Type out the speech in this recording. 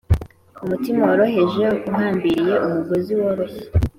umutima woroheje uhambiriye umugozi woroshye